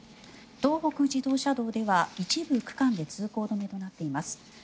東北自動車道では一部区間で通行止めとなっています。